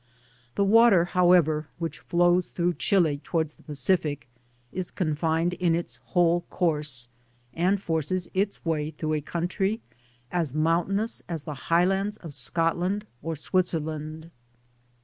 The water, however, which flows through Chili towards the Pacific, is confined in its whole course, and forces its way through a country as moun tainous as the highlands^ of Scotland or Switzer land.